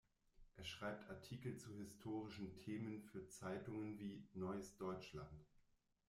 Er schreibt Artikel zu historischen Themen für Zeitungen wie "Neues Deutschland".